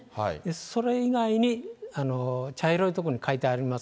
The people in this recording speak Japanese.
それ以外に茶色い所に書いてあります